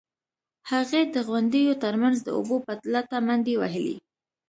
هغې د غونډیو ترمنځ د اوبو په لټه منډې وهلې.